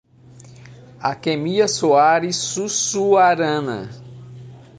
Akemia Soares Sussuarana